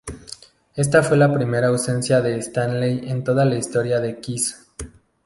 Esta fue la primera ausencia de Stanley en toda la historia de Kiss.